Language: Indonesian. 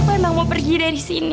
tapi aku emang mau pergi dari sini